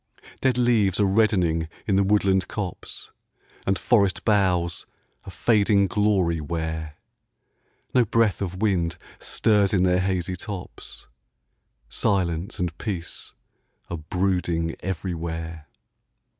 Dead leaves are reddening in the woodland copse, And forest boughs a fading glory wear; No breath of wind stirs in their hazy tops, Silence and peace are brooding everywhere.